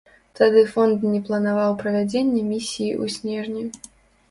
Тады фонд не планаваў правядзенне місіі ў снежні.